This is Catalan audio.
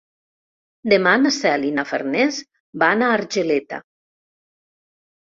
Demà na Cel i na Farners van a Argeleta.